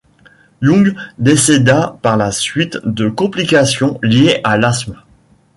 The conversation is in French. Young décéda par la suite de complications liées à l'asthme.